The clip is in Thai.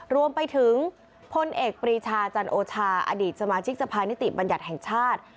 รวมไปถึงพลเอกปรีชาจันโอชาอดีตสมาชิกสภานิติบัญญัติแห่งชาติ